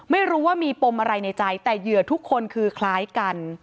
ไม่รู้ว่ามีปมอะไรในใจแต่เหยื่อทุกคนคือคล้ายกัน